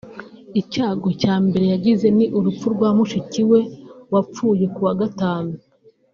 Icyago cya mbere yagize ni urupfu rwa mushiki we wapfuye kuwa Gatanu